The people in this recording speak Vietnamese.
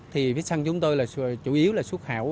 viettel sun chúng tôi chủ yếu là xuất khẩu